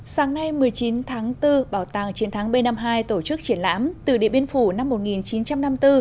sáng nay một mươi chín tháng bốn bảo tàng chiến thắng b năm mươi hai tổ chức triển lãm từ địa biên phủ năm một nghìn chín trăm năm mươi bốn